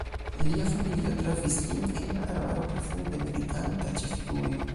Lia familio trovis lin en la arbaro, profunde meditanta ĉe figujo.